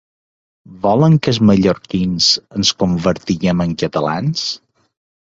Volen que els mallorquins ens convertim en catalans?